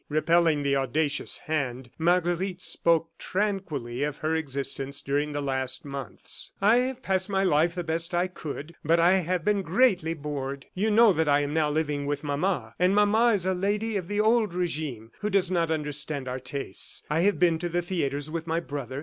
Repelling the audacious hand, Marguerite spoke tranquilly of her existence during the last months. "I have passed my life the best I could, but I have been greatly bored. You know that I am now living with mama, and mama is a lady of the old regime who does not understand our tastes. I have been to the theatres with my brother.